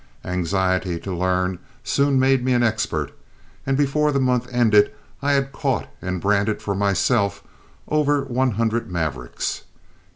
Anxiety to learn soon made me an expert, and before the month ended I had caught and branded for myself over one hundred mavericks.